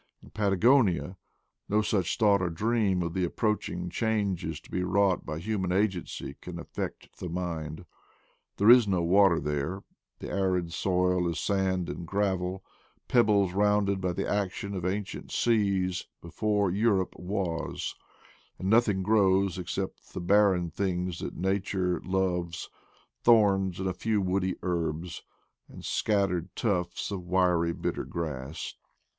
In Patagonia no such thought or dream of the approaching changes to be wrought by hu man agency can affect the mind. There is no water there, the arid soil is sand and gravel — peb bles rounded by the action of ancient seas, before' Europe was; and nothing grows except the barren things that nature loves — thorns, and a few woody herbs, and scattered tufts of wiry bitter grass.